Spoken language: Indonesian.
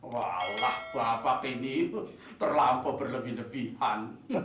walah bapak ini terlampau berlebih lebihan